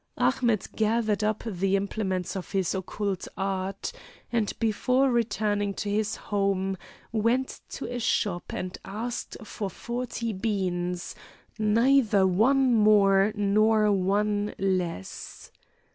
Ahmet gathered up the implements of his occult art, and before returning to his home, went to a shop and asked for forty beans neither one more nor one less.